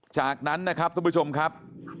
จากนั้นนะครับทุกผู้ชมครับ